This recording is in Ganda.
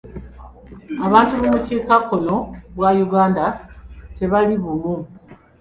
Abantu mu bukiikakkono bwa Uganda tebali bumu.